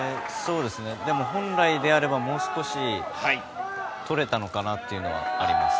でも、本来であればもう少し取れたのかなというのはあります。